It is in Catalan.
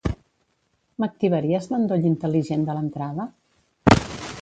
M'activaries l'endoll intel·ligent de l'entrada?